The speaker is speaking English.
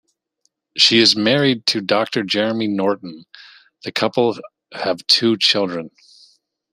She is married to Doctor Jeremy Norton; the couple have two children.